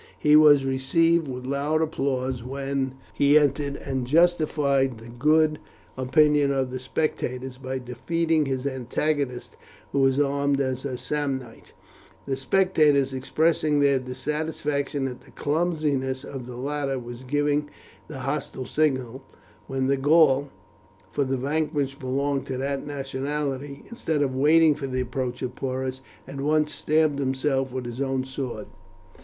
He was received with loud applause when he entered, and justified the good opinion of the spectators by defeating his antagonist, who was armed as a Samnite, the spectators expressing their dissatisfaction at the clumsiness of the latter by giving the hostile signal, when the Gaul for the vanquished belonged to that nationality instead of waiting for the approach of Porus, at once stabbed himself with his own sword.